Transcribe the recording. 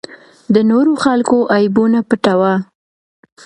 د نورو خلکو عیبونه پټوه.